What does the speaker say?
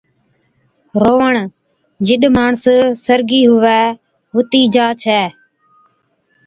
رووَڻ، جِڏ ماڻس سرگِي ھُوَي ھُتِي جا ڇَي